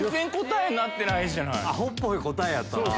アホっぽい答えやったな。